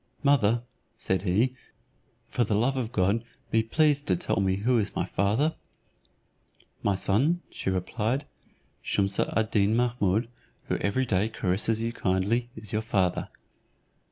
"Mother," said he "for the love of God be pleased to tell me who is my father?" "My son," she replied, "Shumse ad Deen Mahummud, who every day caresses you so kindly, is your father."